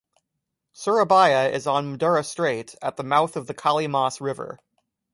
Surabaya is on Madura Strait at the mouth of the Kali Mas river.